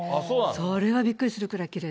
それはびっくりするぐらいき